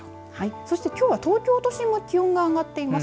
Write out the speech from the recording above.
そして、きょうは東京都心も気温が上がっています。